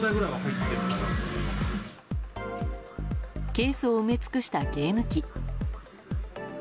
ケースを埋め尽くしたゲーム機。